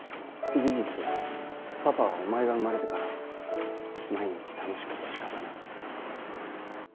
事実パパはお前が生まれてから毎日楽しくて仕方ない。